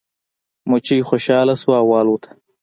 مچۍ خوشحاله شوه او والوتله.